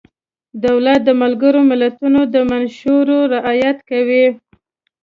دولت د ملګرو ملتونو د منشورو رعایت کوي.